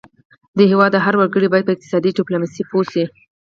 د هیواد هر وګړی باید په اقتصادي ډیپلوماسي پوه شي